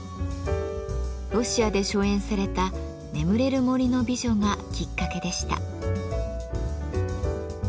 ロシアで初演された「眠れる森の美女」がきっかけでした。